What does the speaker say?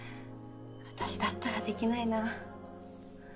私だったらできないな。